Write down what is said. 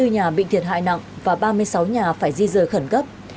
một trăm bốn mươi bốn nhà bị thiệt hại nặng và ba mươi sáu nhà phải di rời khẩn cấp